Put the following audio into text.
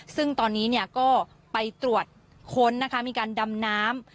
ซึ่งตอนนี้ก็ไปตรวจค้นนะคะมีการดำน้ำ